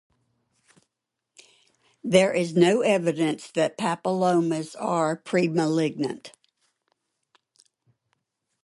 There is no evidence that papillomas are premalignant.